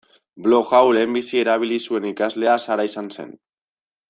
Blog hau lehenbizi erabili zuen ikaslea Sara izan zen.